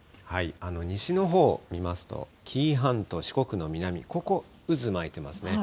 西のほうを見ますと、紀伊半島、四国の南、ここ、渦巻いてますね。